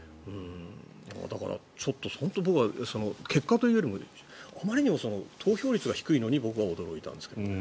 だから、ちょっと僕は結果というよりもあまりにも投票率が低いのに僕は驚いたんですけどね。